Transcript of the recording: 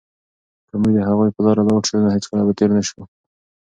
که موږ د هغوی په لاره لاړ شو، نو هېڅکله به تېرو نه شو.